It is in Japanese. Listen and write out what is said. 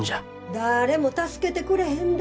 だれも助けてくれへんで。